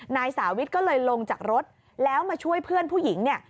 นายสาวิทก็เลยลงจากรถแล้วมาช่วยเพื่อนผู้หญิงเนี่ย